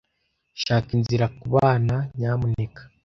Shaka inzira kubana, nyamuneka.